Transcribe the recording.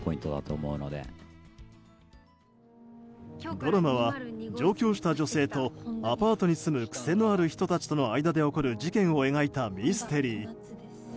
ドラマは、上京した女性とアパートに住む癖のある人たちとの間で起こる事件を描いたミステリー。